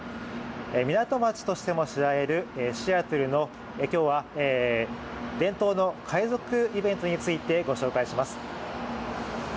港町としても知られるシアトルの、今日は伝統の海賊イベントについてご紹介します。